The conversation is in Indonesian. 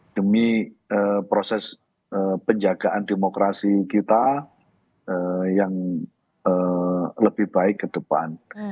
demi proses penjagaan demokrasi kita yang lebih baik ke depan